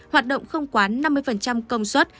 hoạt động không quá năm mươi công suất